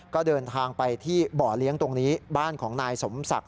ก็เดินทางไปที่บ่อเลี้ยงตรงนี้บ้านของนายสมศักดิ